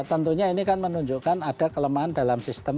tentunya ini kan menunjukkan ada kelemahan dalam sistem